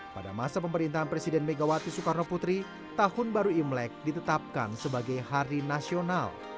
pada masa pemerintahan presiden megawati soekarno putri tahun baru imlek ditetapkan sebagai hari nasional